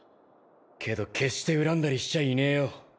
けど決して恨んだりしちゃいねえよ。